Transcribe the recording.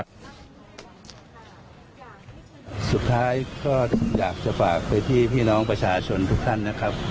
สุดท้ายก็อยากจะฝากไปที่พี่น้องประชาชนทุกท่านนะครับ